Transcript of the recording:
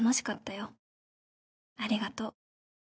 「ありがとう」